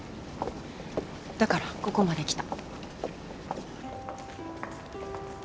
だからここまで来た。